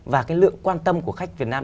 và cái lượng quan tâm của khách việt nam